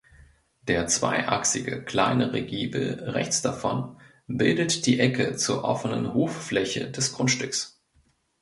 Der zweiachsige kleinere Giebel rechts davon bildet die Ecke zur offenen Hoffläche des Grundstücks.